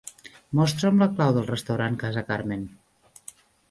Mostra'm la clau del restaurant Casa Carmen.